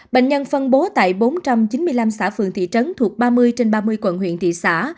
bệnh nhân phân bố tại bốn trăm chín mươi năm xã phường thị trấn thuộc ba mươi trên ba mươi quận huyện thị xã